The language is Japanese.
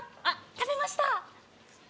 食べました！